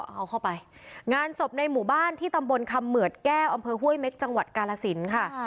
เอาเข้าไปงานศพในหมู่บ้านที่ตำบลคำเหมือดแก้วอำเภอห้วยเม็กจังหวัดกาลสินค่ะ